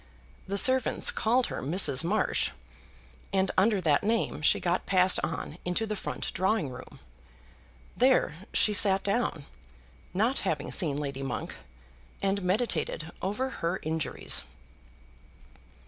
The servants called her Mrs. Marsh, and under that name she got passed on into the front drawing room. There she sat down, not having seen Lady Monk, and meditated over her injuries.